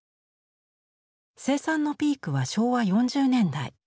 生産のピークは昭和４０年代。